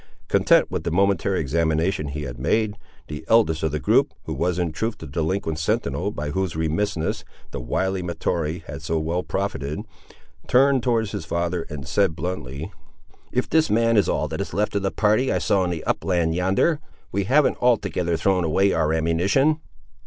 Content with the momentary examination he had made, the eldest of the group, who was in truth the delinquent sentinel by whose remissness the wily Mahtoree had so well profited, turned towards his father and said bluntly— "If this man is all that is left of the party I saw on the upland, yonder, we haven't altogether thrown away our ammunition."